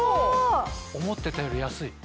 思ってたより安い。